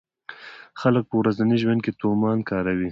خلک په ورځني ژوند کې تومان کاروي.